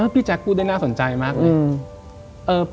พี่แจ๊คพูดได้น่าสนใจมากเลย